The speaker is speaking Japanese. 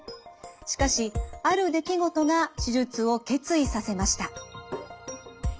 しかしある出来事が手術を決意させました。